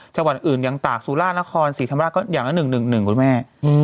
จังหวัดอื่นอย่างตากสุรานครศรีธรรมราชก็อย่างละ๑๑๑คุณแม่